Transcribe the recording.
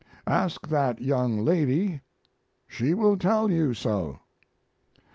Ask that young lady she will tell you so.